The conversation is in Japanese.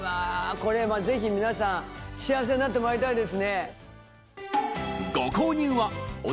これはぜひ皆さん幸せになってもらいたいですね。